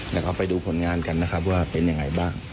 แล้วก็ไปดูผลงานกันนะครับว่าเป็นยังไงบ้าง